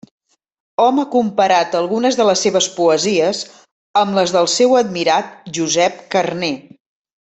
Hom ha comparat algunes de les seves poesies amb les del seu admirat Josep Carner.